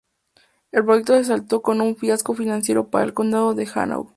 El proyecto se saldó con un fiasco financiero para el condado de Hanau.